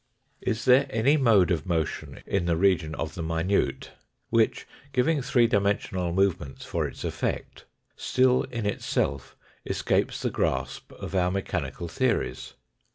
Is there any mode of motion in the region of the minute which, giving three dimensional movements for its effect, still in itself escapes the grasp of our mechanical theories?